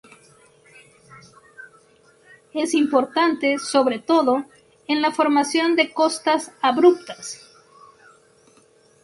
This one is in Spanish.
Es importante, sobre todo, en la formación de costas abruptas.